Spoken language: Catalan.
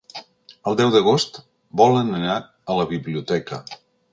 El deu d'agost volen anar a la biblioteca.